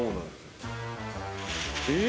えっ⁉